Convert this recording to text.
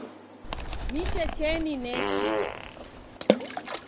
Ni checheni nechi.